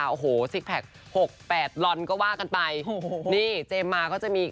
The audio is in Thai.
โอ้โหสิคแพค๖๘ลอนก็ว่ากันไปนี่เจมมาก็จะมี